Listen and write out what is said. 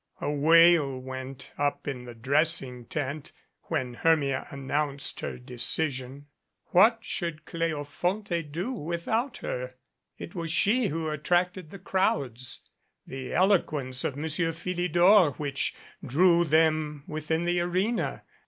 A wail went up in the dressing tent when Hermia an nounced her decision. What should Cleofonte do without her? It was she who attracted the crowds the eloquence of Monsieur Philidor which drew them within the arena.